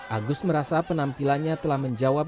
agus merasa penampilannya telah menjawab